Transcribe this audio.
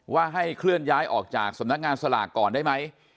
ว่าให้เคลื่อนย้ายออกจากสำนักงานสลากก่อนได้ไหม